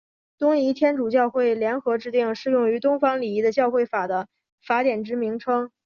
东仪天主教会法典联合制定适用于东方礼仪的教会法的法典之名称。